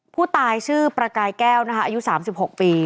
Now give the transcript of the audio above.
ผู้ตายชื่อประกายแก้วนะคะอายุ๓๖ปี